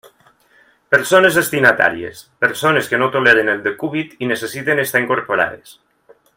Persones destinatàries: persones que no toleren el decúbit i necessiten estar incorporades.